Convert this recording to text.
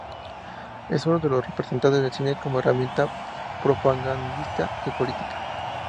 Es uno de los representantes del cine como herramienta propagandística política.